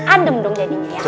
aduh mending jadinya